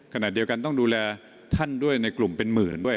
ขณะเดียวกันต้องดูแลท่านด้วยในกลุ่มเป็นหมื่นด้วย